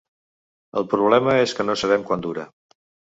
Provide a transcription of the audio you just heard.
El problema és que no sabem quant dura.